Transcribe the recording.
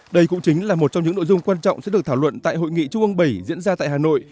đây cũng chính là một trong những nội dung quan trọng sẽ được thảo luận tại hội nghị trung ương bảy diễn ra tại hà nội